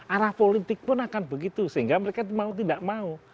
arah politik pun akan begitu sehingga mereka mau tidak mau